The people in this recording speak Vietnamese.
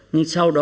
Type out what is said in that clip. nhưng sau đó